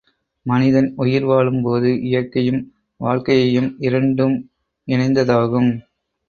மனிதன் உயிர் வாழும்போது, இயற்கையும் வாழ்க்கையையும் இரண்டும் இணைந்ததாகும்.